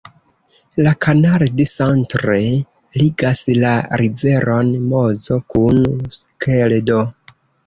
La "Canal du Centre" ligas la riveron Mozo kun Skeldo.